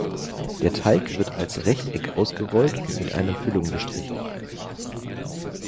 Der Teig wird als Rechteck ausgerollt und mit einer Füllung bestrichen.